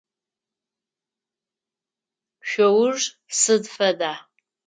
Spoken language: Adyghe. Шъоур сыд фэда?